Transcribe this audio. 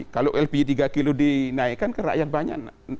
kalau lp tiga kilo dinaikkan ke rakyat banyak